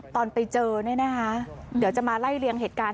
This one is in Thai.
ตอนไปเจอเนี่ยนะคะเดี๋ยวจะมาไล่เลียงเหตุการณ์